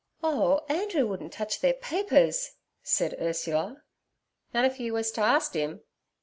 'Oh, Andrew wouldn't touch their papers' said Ursula. 'Nut if you wus t' ast 'im?'